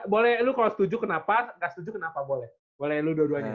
boleh lu kalau setuju kenapa gak setuju kenapa boleh boleh lu dua duanya